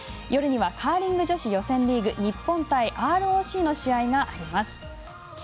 夜にはカーリング女子予選リーグ日本対ＲＯＣの試合があります。